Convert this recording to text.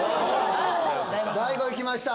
大悟いきました